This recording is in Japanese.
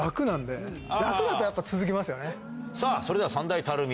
さぁそれでは。